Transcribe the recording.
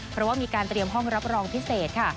เพราะว่ามีการเตรียมห้องรับรองพิเศษค่ะ